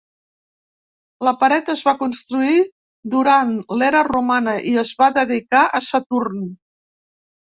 La pared es va construir durant l"era romana i es va dedicar a Saturn.